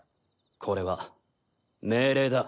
これは命令だ。